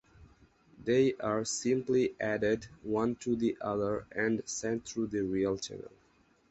They are simply added one to the other and sent through the real channel.